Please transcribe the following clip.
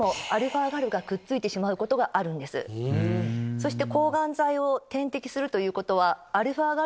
そして。